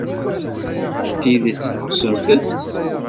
D tidet teɣsemt-t?